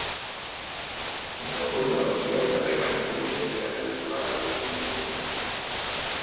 Hi ha algun negoci al carrer Valldonzella cantonada Valldonzella?